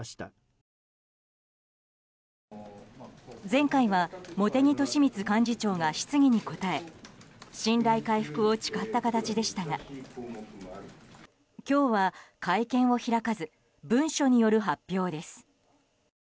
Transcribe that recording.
前回は茂木敏充幹事長が質疑に応え信頼回復を誓った形でしたが今日は会見を開かず文書による発表です。